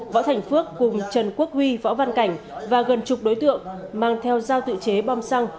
võ thành phước cùng trần quốc huy võ văn cảnh và gần chục đối tượng mang theo giao tự chế bom xăng